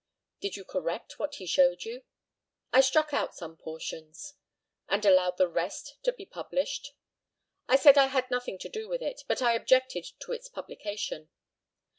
Did you correct what he showed you? I struck out some portions. And allowed the rest to be published? I said I had nothing to do with it, but I objected to its publication.